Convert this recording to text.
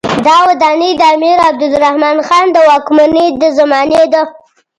دا ودانۍ د امیر عبدالرحمن خان د واکمنۍ د زمانې ده.